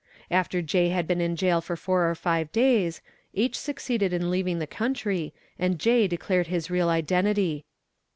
After J had been in jail for 4 or 5 days, H succeeded in leaving the country and J declared his real identity.